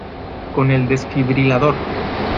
con el desfibrilador.